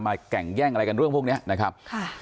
แก่งแย่งอะไรกันเรื่องพวกนี้นะครับ